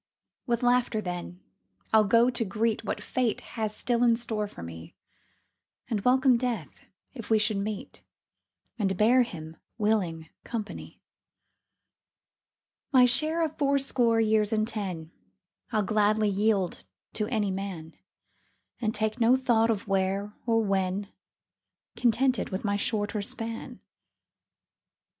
With laughter, then, I'll go to greet What Fate has still in store for me, And welcome Death if we should meet, And bear him willing company. My share of fourscore years and ten I'll gladly yield to any man, And take no thought of " where " or " when," Contented with my shorter span.